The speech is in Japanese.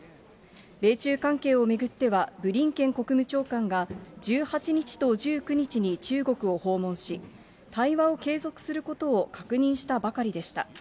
米中関係を巡っては、ブリンケン国務長官が１８日と１９日に中国を訪問し、対話を継続することを確認したばかりでした。